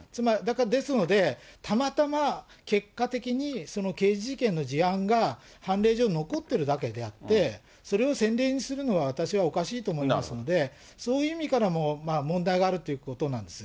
ですので、たまたま結果的に、その刑事事件の事案が判例上残っているだけであって、それを先例にするのは、私はおかしいと思いますので、そういう意味からも問題があるということなんです。